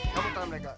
kamu tenang mereka